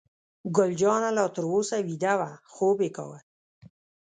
ګل جانه لا تر اوسه ویده وه، خوب یې کاوه.